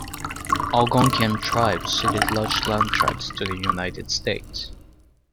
Algonquian tribes ceded large land tracts to the United States.